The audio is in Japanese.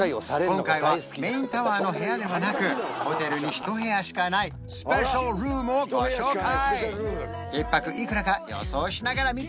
今回はメインタワーの部屋ではなくホテルに一部屋しかないスペシャルルームをご紹介！